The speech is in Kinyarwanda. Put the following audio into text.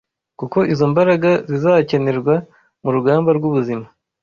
kuko izo mbaraga zizakenerwa mu rugamba rw’ubuzima